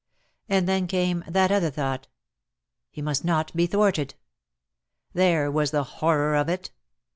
And then came that other thought. He must not be thwarted. There was the horror of it.